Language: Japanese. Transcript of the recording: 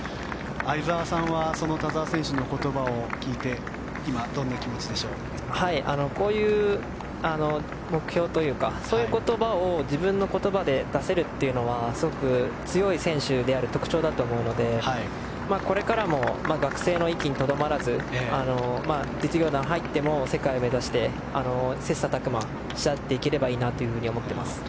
相澤さんはその田澤選手の言葉を聞いてこういう目標というかそういう言葉を自分の言葉で出せるというのはすごく強い選手である特徴だと思うのでこれからも学生の域にとどまらず実業団に入っても世界を目指して切磋琢磨し合っていければいいなと思っています。